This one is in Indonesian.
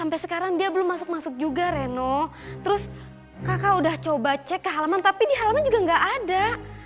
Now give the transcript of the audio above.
masuk juga reno terus kakak udah coba cek ke halaman tapi di halaman juga gak ada